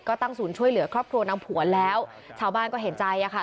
ก็ตั้งศูนย์ช่วยเหลือครอบครัวนางผวนแล้วชาวบ้านก็เห็นใจอ่ะค่ะ